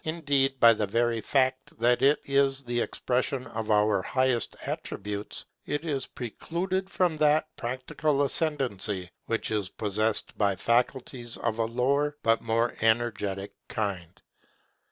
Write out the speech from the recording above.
Indeed by the very fact that it is the expression of our highest attributes, it is precluded from that practical ascendancy which is possessed by faculties of a lower but more energetic kind.